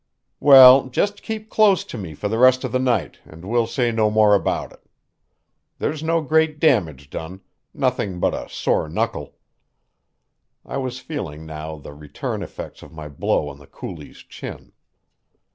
"Well, just keep close to me for the rest of the night, and we'll say no more about it. There's no great damage done nothing but a sore knuckle." I was feeling now the return effects of my blow on the coolie's chin.